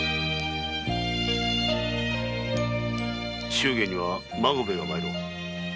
祝言には孫兵衛が参ろう。